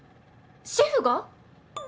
シェフが？